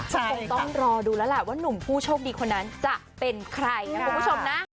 ก็คงต้องรอดูแล้วล่ะว่านุ่มผู้โชคดีคนนั้นจะเป็นใครนะคุณผู้ชมนะ